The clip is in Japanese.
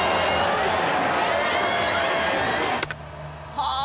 はあ！